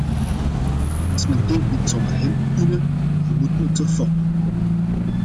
Als men denkt niet zonder hen te kunnen, dan moet men ze fokken.